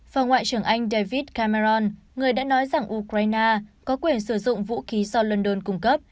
và ngoại trưởng anh david cameron người đã nói rằng ukraine có quyền sử dụng vũ khí do london cung cấp